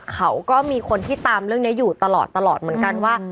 เขาก็มีคนที่ตามเรื่องนี้อยู่ตลอดเหมือนกันว่า